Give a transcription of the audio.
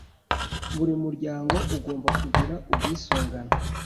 Buri muryango ugomba kugira ubwisungane